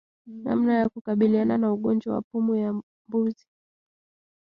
Namna ya kukabiliana na ugonjwa wa pumu ya mbuzi